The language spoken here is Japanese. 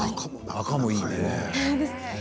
赤もいいね。